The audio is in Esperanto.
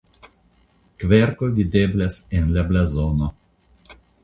Kverko videblas en la blazono.